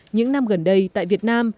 những năm gần đây tại việt nam